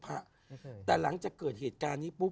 พี่ยังไม่ได้เลิกแต่พี่ยังไม่ได้เลิก